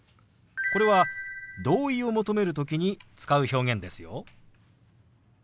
これは同意を求める時に使う表現ですよ。